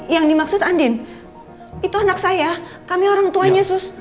yang dimaksud andin itu anak saya kami orang tuanya sus